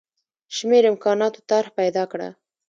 شمېر امکاناتو طرح پیدا کړه.